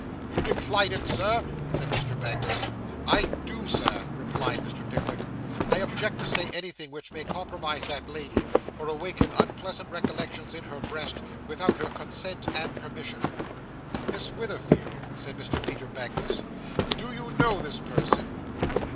'You decline it, Sir?' said Mr. Magnus. 'I do, Sir,' replied Mr. Pickwick; 'I object to say anything which may compromise that lady, or awaken unpleasant recollections in her breast, without her consent and permission.' 'Miss Witherfield,' said Mr. Peter Magnus, 'do you know this person?